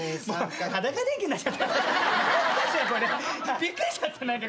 びっくりしちゃった何かこれ。